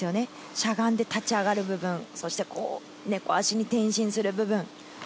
しゃがんで立ち上がる部分、猫足に転身する部分。